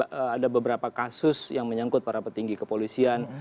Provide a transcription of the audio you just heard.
saya kira dengan ada beberapa kasus yang menyangkut para petinggi kepolisian